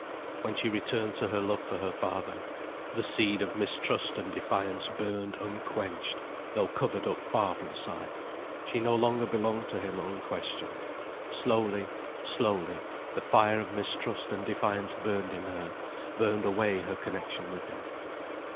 When she returned to her love for her father, the seed of mistrust and defiance burned unquenched, though covered up far from sight. She no longer belonged to him unquestioned. Slowly, slowly, the fire of mistrust and defiance burned in her, burned away her connection with him.